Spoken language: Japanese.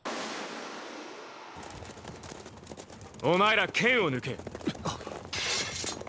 お前ら剣を抜け。